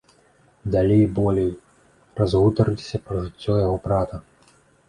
Далей, болей разгутарыліся пра жыццё яго брата.